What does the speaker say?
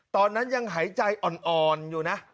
ตอนนั้นยังหายใจอ่อนอยู่นะ